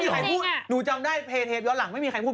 หนูจำได้เพลเทปย้อนหลังไม่มีใครพูด